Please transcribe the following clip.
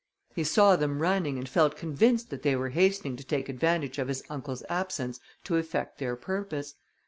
He saw them running, and felt convinced that they were hastening to take advantage of his uncle's absence to effect their purpose.